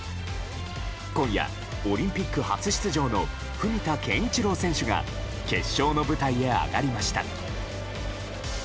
今夜、オリンピック初出場の文田健一郎選手が決勝の舞台へ上がりました。